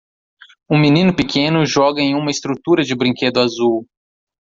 Um menino pequeno joga em uma estrutura de brinquedo azul